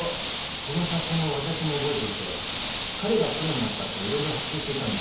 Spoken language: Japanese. この写真をわたしも覚えていて彼がプロになった後色々発注していたんですが。